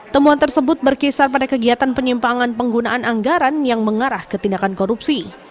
temuan tersebut berkisar pada kegiatan penyimpangan penggunaan anggaran yang mengarah ke tindakan korupsi